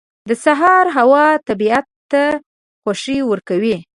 • د سهار هوا طبیعت ته خوښي ورکوي.